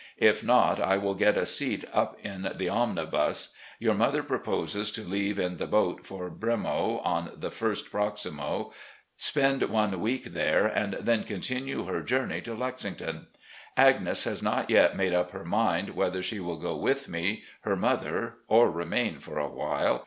If not, I will get a seat up in the onmibus. Your mother proposes to leave in the boat for Bremo on the ist proximo, spend one week there, and then continue her journey to Lexington. Agnes has not yet made up her mind whether she will go with me, her mother, or remain for a while.